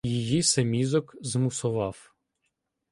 її се мізок змусовав: